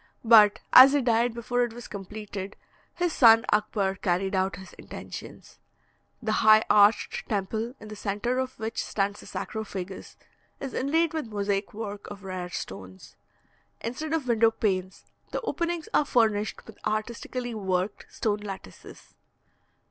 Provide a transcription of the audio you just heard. But as he died before it was completed, his son Akbar carried out his intentions. The high arched temple, in the centre of which stands the sarcophagus, is inlaid with mosaic work of rare stones. Instead of window panes, the openings are furnished with artistically worked stone lattices.